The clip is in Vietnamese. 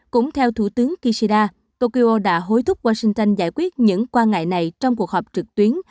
cũng theo thủ tướng kishida tokyo đã hối thúc washington giải quyết những quan ngại này trong cuộc họp trực tuyến